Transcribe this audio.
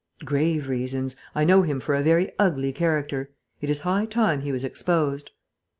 "Grave reasons. I know him for a very ugly character. It is high time he was exposed."